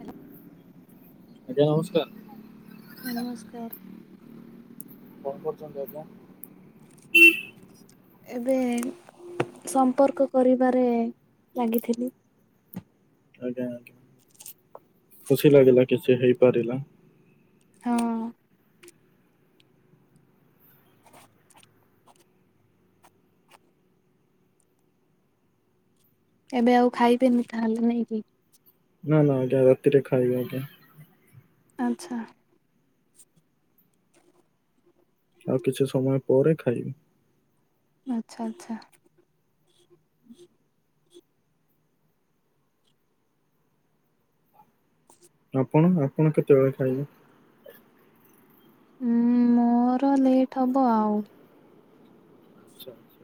Hello ଆଜ୍ଞା ନମସ୍କାର। ଅମସ୍କାର। କଣ୍ କରୁଛନ୍ତି ଆଜ୍ଞା? ଏବେ ଏ ସମ୍ପର୍କ କରିବାରେଏ ଲାଗିଥିଲି। ଆଜ୍ଞା ଆଜ୍ଞା। ଖୁସି ଲାଗିଲା କିଛି ହେଇପାରିଲା। ହଅଁ। ଏବେ ଆଉ ଖାଇବେନି ତାହେଲେ ନାଇକି? ନା ନା ଆଜ୍ଞା ରାତିରେ ଖାଏ ଆଜ୍ଞା। ଆଚ୍ଛା। ଆଉ କିଛି ସମୟ ପରେ ଖାଇବି। ଆଚ୍ଛା ଆଚ୍ଛା। ଆପଣ ଆପଣ କେତେବେଳେ ଖାଇବେ? ଉଁ ମୋର ଲେଟ୍ ହବ ଆଉ। ଆଚ୍ଛା ଆଚ୍ଛା।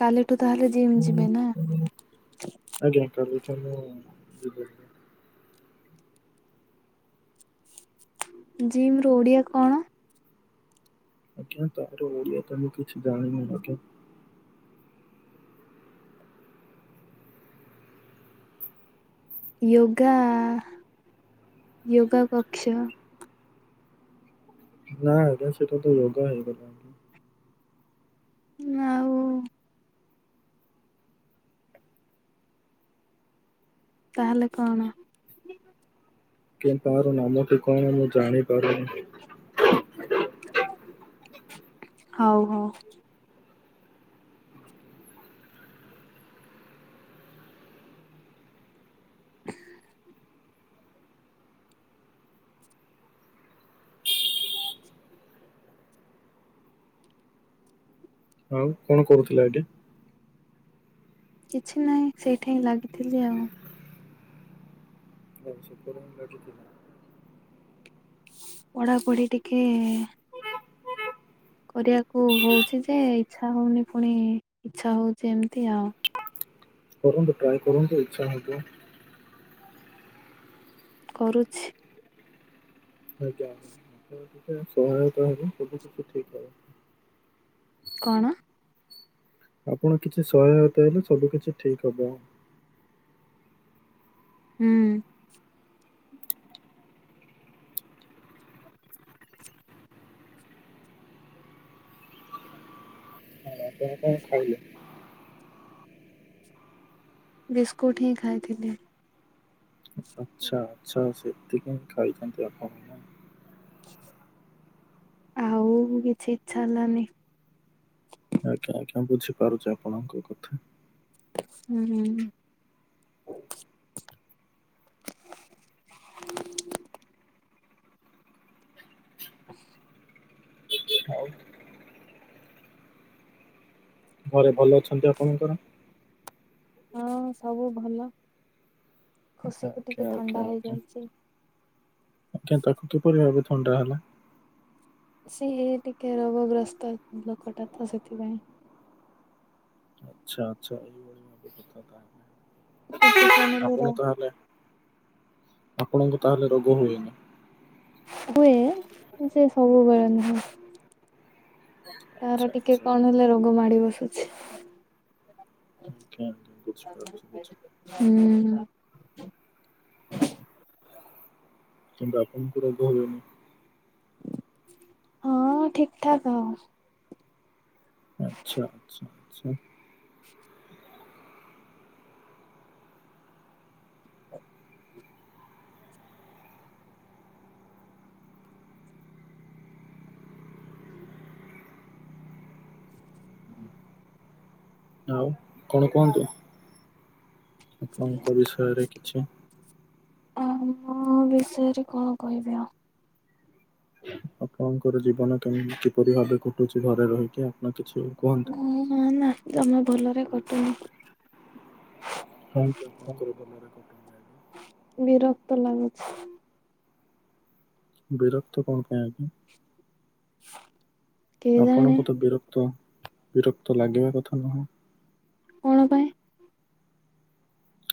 କାଲିଠୁ ତାହଲେ ଜିମ୍ ଯିବେ ନା? [unintelligible] ଜିମ୍ ର ଓଡିଆ କଣ? ଆଜ୍ଞା ତାର ଓଡ଼ିଆ ତ ମୁଁ କିଛି ଜାଣିନି ଆଜ୍ଞା। ୟୋଗା ୟୋଗା କକ୍ଷ ନା ଆଜ୍ଞା ସେଟା ତ ୟୋଗା ହେଇଗଲା ଆଜ୍ଞା। ଉଁ ଆଉ ତାହେଲେ କଣ? କେନ ପାରୁ ନାମ ଟି କଣ ମୁଁ ଜାଣିପାରୁନି। ହଉ ହଉ। [inaudible] ଆଉ କଣ କରୁଥିଲା ଏଟି? କିଛି ନାହିଁ ସେଇଠେଇଁ ଲାଗିଥିଲି ଆଉ। ଆଉ ସେପଟେ ହିଁ ଲାଗିଥିଲା। ପଢ଼ାପଢ଼ି ଟିକେ କରିବାକୁ ହଉଛି ଯେ ଇଚ୍ଛା ହଉନି ଫୁଣି ଇଚ୍ଛା ହଉଛି ଏମିତି ଆଉ କରନ୍ତୁ ଟ୍ରାଏ କରନ୍ତୁ ଇଚ୍ଛା ହଉଥିବ। କରୁଛି। ଆଜ୍ଞା ଆପଣ ଯେତେବେଳେ ସହାୟତା ହେବ ସବୁ କିିଛି ଠିକ୍ ହବ। କଣ? ଆପଣ କିଛି ସହାୟତା ହେଲେ ସବୁ କିଛି ଠିକ୍ ହେବ। ହୁଁ। ଆପଣ କଣ ଖାଇଲେ? ବିସ୍କୁଟ ହିଁ ଖାଇଥିଲି। ଆଚ୍ଛା ଆଚ୍ଛା ସେତିକି ହିଁ ଖାଇଛନ୍ତି ଆପଣ, ନା? ଆଉ ବି କିଛି ଇଚ୍ଛା ହେଲାନି। ପାରୁଚି ଆପଣଙ୍କ କଥା। ହୁଁ-ହୁଁ-ହୁଁ। [inaudible] ଆଉ ଘରେ ଭଲ ଅଛନ୍ତି ଆପଣଙ୍କର? ହଁ ସବୁ ଭଲ। ଖୁସିକୁ ଆଜ୍ଞା ଟିକେ ଆଜ୍ଞା ଥଣ୍ଡା ଆଜ୍ଞା ହେଇଯାଇଛି। ଆଜ୍ଞା ତାକୁ କିପରି ଭାବେ ଥଣ୍ଡା ହେଲା? ସିଏ ଟିକେ ରୋଗଗ୍ରସ୍ତ ଲୋକଟା ତ ସେଥିପାଇଁ। ଆଚ୍ଛା ଆଚ୍ଛା [inaudible] ଟିକେ କଣ ହେଲେ ଆପଣ ର ତାହେଲେ ଆପଣଙ୍କୁ ତାହେଲେ ରୋଗ ହୁଏନି? ହୁଏ ସେ ସବୁବେଳେ ନୁହେଁ। ଆଚ୍ଛା ତାର ଟିକେ ଆଚ୍ଛା ଏଇଭଳି। କଣ ହେଲେ ରୋଗ ମାଡି ବସୁଛି। ଆଜ୍ଞା ବୁଝିପାରୁଛି ବୁଝିପାରୁଛି। [inaudible] କିନ୍ତୁ ଆପଣଙ୍କୁ ରୋଗ ହେବନି। ହଁ ଠିକ ଠାକ୍ ଆଉ। ଆଚ୍ଛା ଆଚ୍ଛା ଆଚ୍ଛା। ହୁଁ ଆଉ କଣ କୁହନ୍ତୁ, ଆପଣଙ୍କ ବିଷୟରେ କିଛି? ଆଉ ମୋ ବିଷୟରେ କଣ କହିବି ଆଉ? ଆପଣଙ୍କର ଜୀବନ କେମିତି କିପରି ଭାବେ କଟୁଛି ଘରେ ରହିକି ଆପଣ କିଛି କୁହନ୍ତୁ? ହୁଁ-ହୁଁ ନା ଜମା ଭଲରେ କଟୁନି। କାହିଁକି ଆପଣଙ୍କର ଭଲରେ କଟୁନି? [inaudible] କ୍ତ ଲାଗୁଛି ବିରକ୍ତ କଣ ପାଇଁ ଆଜି? [inaudible] କେଜାଣି ଆପଣଙ୍କୁ ତ ବିରକ୍ତ, ବିରକ୍ତ ଲାଗିବା କଥା ନୁହଁ? କଣ ପାଇଁ?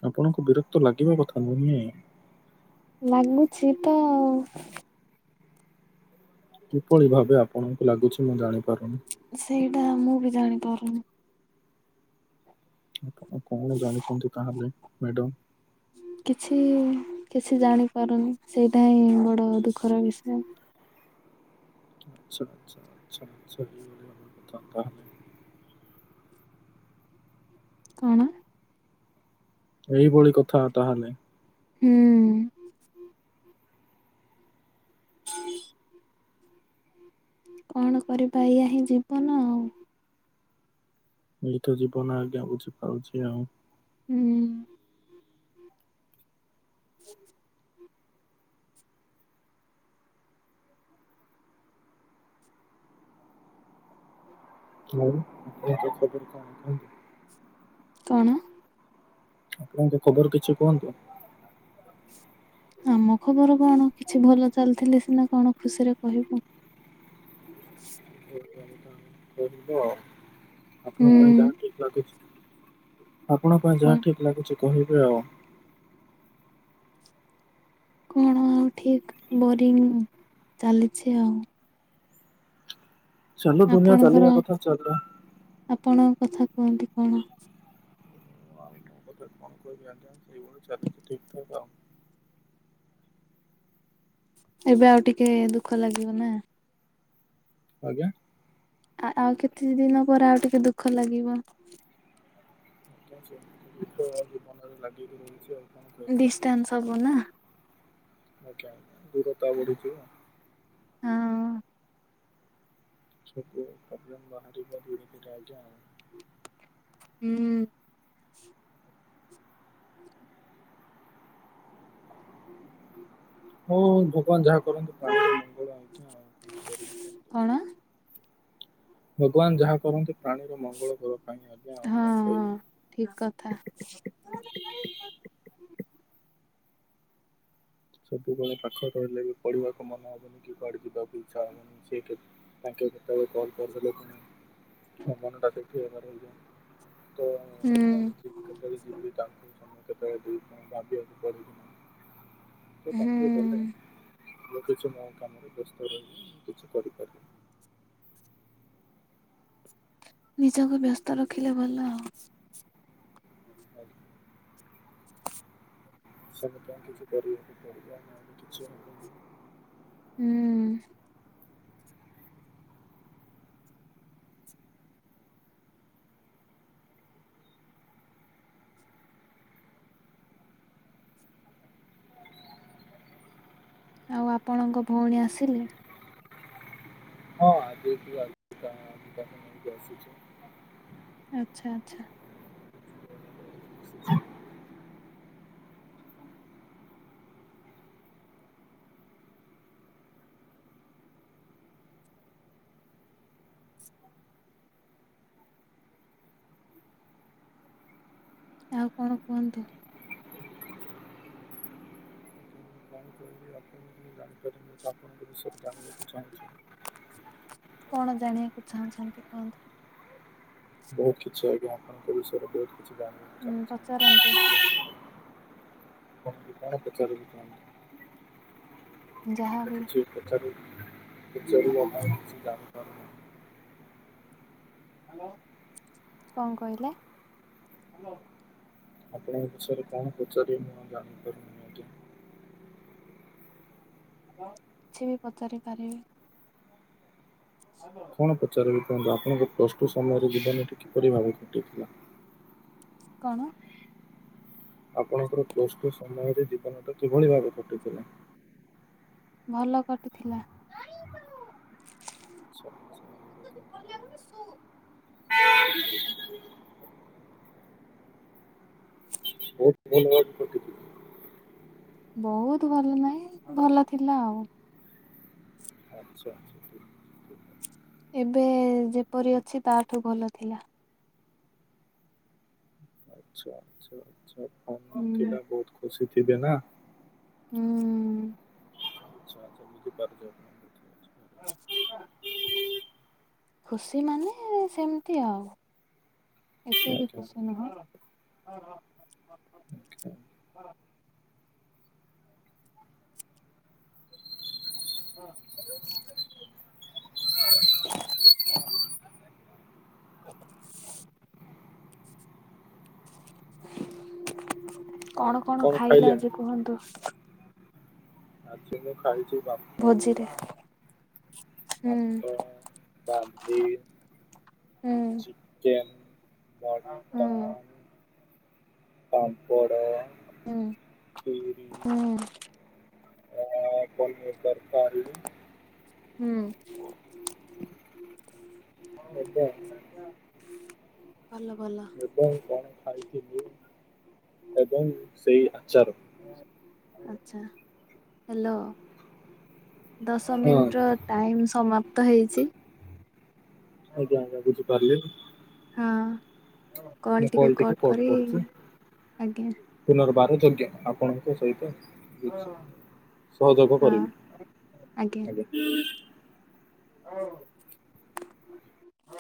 ଆପଣଙ୍କୁ ବିରକ୍ତ ଲାଗିବା କଥା ନୁହେଁ। ଲାଗୁଛି ତ ଆଉ। କିପଳି ଭାବେ ଆପଣଙ୍କୁ ଲାଗୁଛି ମୁଁ ଜାଣିପାରୁନି। ସେଇଟା ମୁଁ ବି ଜାଣିପାରୁନି। ଆଣ କଣ ଜାଣିଛନ୍ତି ତାହେଲେ ମ୍ୟାଡାମ? କିଛି କିଛି ଜାଣିପାରୁନି ସେଇଟା ହିଁ ବଡ ଦୁଃଖର ବିଷୟ। ଆଚ୍ଛା ଆଚ୍ଛା ଆଚ୍ଛା ଆଚ୍ଛା [inaudible] କଥା ତାହେଲେ କଣ? ଏଇଭଳି କଥା ତାହେଲେ। ହୁଁ। ହ [inaudible] କଣ କରିବା ଏଇଆ ହିଁ ଜୀବନ ଆଉ। ଏଇତ ଜୀବନ ଆଜ୍ଞା ବୁଝିପାରୁଛି ଆଉ ହୁଁ। ଅଉ [unintelligible] ଖବର କଣ କୁହନ୍ତୁ? କଣ? ଆପଣଙ୍କ ଖବର କିଛି କୁହନ୍ତୁ। ହୁଁ ଆମ ଖବର କଣ କିଛି ଭଲ ଚାଲିଥିଲେ ସିନା କଣ ଖୁସିରେ କହିବୁ। [inaudible] [unintelligible] କରିବ ଆପଣଙ୍କ ପାଇଁ ଯାହା ହୁଁ ଠିକ ଲାଗୁଛି ଆପଣଙ୍କ ପାଇଁ ଯାହା ଠିକ୍ ଲାଗୁଛି କହିବେ ଆଉ। କଣ ଆଉ ଠିକ୍ ବୋରିଂ ଚାଲିଛି ଆଉ। ଚାଲୁ ଦୁନିଆ ଆପଣଙ୍କର ଚାଲିିବା କଥା ଚାଲ ଆପଣଙ୍କ କଥା କୁହନ୍ତି କଣ? କଥା କଣ କହିବି ଆଜ୍ଞା ସେଇଭଳି ଚାଲିଛି ଠିକଠାକ୍ ଆଉ। ଏବେ ଆଉ ଟିକେ ଦୁଃଖ ଲାଗିବନା? ଆଜ୍ଞା ଆ-ଆଉ କେତେ ଦିନ ପରେ ଆଉ ଟିକେ ଦୁଃଖ ଲାଗିବ। [inaudible] [unintelligible] ରହୁଚି ଆଉ। କଣ କରିବା ଡିଷ୍ଟାନ୍ସ ହଵନା ଆଜ୍ଞା ଦୂରତା ବଢିଯିବ। ହଁ ସବୁବେଳେ ପ୍ରୋବଲେମେ ବାହାରିବ [unintelligible] ଆଜ୍ଞା। ହୁଁ। ହୋଉ ଭଗବାନ ଯାହା କରନ୍ତି ପ୍ରାଣୀର ମ କଣ? ଭଗବାନ ଯାହା କରନ୍ତି ପ୍ରାଣୀର ମଙ୍ଗଳ କରନ୍ତି। ହଁ ହଁ ଠିକ କଥା। ସବୁବେଳେ ପାଖରେ ରହିଲେବି ପଢିବାକୁ ମନ ହବନି କି କୁଆଡେ ଯିବାକୁ ଇଚ୍ଛା ହବନି ସେ କଲ କରିଦଲେ ପୁଣି ମୋ ମନଟା [unintelligible] ତ ମୁଁ ହୁଁ ଆଉ ଯିବି। [unintelligible] କେତେବେଳେ ଦେଇ ଭାବିବାକୁ ପଡେ [unintelligible] ତ ହୁଁ ତାଙ୍କେ ଗଲେ ମୁଁ କିଛି ମୋ କାମରେ ବ୍ୟସ୍ତ ରହିିବି କିଛି କରିପାରିବି। ନିଜକୁ ବ୍ୟସ୍ତ ରଖିଲେ ଭଲ ଆଉ। [inaudible] [unintelligible] କିଛି କରିବାକୁ ପଡିବ ନହେଲେ କିଛି ହବନି। ହୁଁ। ଆଉ ଆପଣଙ୍କ ଭଉଣୀ ଆସିଲେ? ହଁ [unintelligible] ନେଇକି ଆସିଛି। ଆଚ୍ଛା ଆଚ୍ଛା। [inaudible] ଆଉ କଣ କୁହନ୍ତୁ [unintelligible] ଆପଣଙ୍କ ବିଷୟ [inaudible] ଜାଣିବାକୁ ଚାହୁଁଚି। କଣ ଜାଣିବାକୁ ଚାହୁଁଛନ୍ତି କୁହନ୍ତୁ? ବହୁତ କିଛି ଆଜ୍ଞା ଆପଣଙ୍କ ବିଷୟରେ ବହୁତ କିଛି ଜାଣିବାକୁ ଉଁ ପଚାରନ୍ତୁ ଚାହୁଁଚି। କଣ ପଚାରୁ ଥିଲ? [unintelligible] ଯାହାବି କିଛି ପଚାର। [unintelligible] କଣ କହିଲେ? ଆପଣଙ୍କ ବିଷୟରେ କଣ ପଚାରିବି ମୁଁ ଜାଣିପାରୁନି ଆଜ୍ଞା। କିଛି ବି ପଚାରି ପରିବେ? କଣ ପଚାରିବି କୁହନ୍ତୁ ଆପଣଙ୍କ ପ୍ଲସ ଟୁ ସମୟରେ ଜୀବନୀଟି କିପରି ଭାବେ କଟିଥିଲା? କଣ? ଆପଣଙ୍କର ପ୍ଳଷ୍ଟୁ ସମୟରେ ଜୀବନଟା କିଭଳି ଭାବେ କଟିଥିଲା? ଭଲ କଟିଥିଲା। [inaudible] [unintelligible] [inaudible] ବହୁତ ଭଲ ଭାବେ କଟି ଥିଲା। ବହୁତ ଭଲ ନାହିଁ ଭଲ ଥିଲା ଆଉ। ଆଚ୍ଛା ଆଚ୍ଛା। ଏବେ ଯେପରି ଅଛି ତାଠୁ ଭଲ ଥିଲା। ଆଛା ଆଛା ଆଛା ଫୋନ ହୁଁ ନଥିଲା ବହୁତ ଖୁସି ଥିବେ ନା? ହୁଁ। ଆଚ୍ଛା ଆଚଛା ବିପତି [unintelligible] ଖୁସି ମାନେ ସେମିତି ଆଉ ଏତେ ବି ଆଜ୍ଞା। ଖୁସି ନୁହେଁ। ହଁ ହଁ ହଁ ହଁ। ହଁ। ସ୍ [unintelligible] ହ [unintelligible] ଆଉ କଣ କଣ ଖାଇଲେ ଖାଇଲେଣି? ଆଜି କୁହନ୍ତୁ? ଆଜି ମୁଁ ଖାଇଛି ଭାତ ଭୋଜିରେ ହୁଁ ଭାତ ଡାଲି ହୁଁ ଚିକେନ୍ ହୁଁ ମଟାମ୍ନ୍ ପାମ୍ପଡ଼ା ହୁଁ ହୁଁ। ଆ ଜହ୍ନୀ ତରକାରୀ। ହୁଁ। ଆଜ୍ଞା। ଭଲ ଭଲ ଏବେ କଣ ଖାଇ ଏବଂ ସେଇ ଆଚାର। ଆଛା ହାଲୋ ଦଶ ହଁ ମିନିଟ ର ଟାଇମ ସମାପ୍ତ। ହେଇଛି। ଆଜ୍ଞା ଆଜ୍ଞା ବୁଝିପାରିଲି। ହଁ ମୁଁ କଲ ଟିକେ କଲ୍ ଟିକୁ କଟ୍ କରୁଛି। କରିବେ ଆଜ୍ଞା। ଆଜ୍ଞା ଆପଣଙ୍କ ସହିତ। ସହଯୋଗ ହଁ କରିବି ଆଜ୍ଞା। ହ ହିଁ।